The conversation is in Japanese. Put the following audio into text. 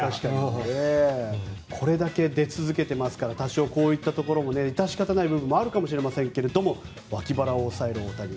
これだけ出続けてますから多少、こういったところも致し方ない部分もあるかもしれませんけれどもわき腹を押さえる大谷。